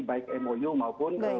baik mou maupun